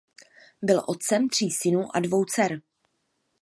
Byl otcem tří synů a dvou dcer.